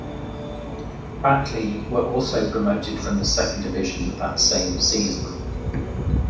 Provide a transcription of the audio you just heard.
Batley were also promoted from the Second Division that same season.